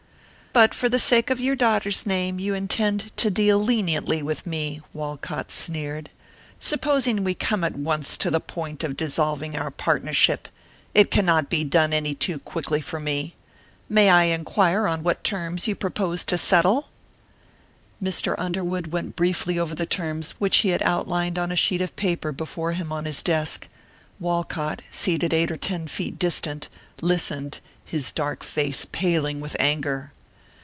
"But for the sake of your daughter's name you intend to deal leniently with me," Walcott sneered. "Supposing we come at once to the point of dissolving our partnership; it cannot be done any too quickly for me. May I inquire on what terms you propose to settle?" Mr. Underwood went briefly over the terms which he had outlined on a sheet of paper before him on his desk; Walcott, seated eight or ten feet distant, listened, his dark face paling with anger.